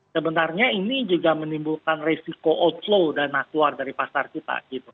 sebenarnya ini juga menimbulkan resiko outflow dana keluar dari pasar kita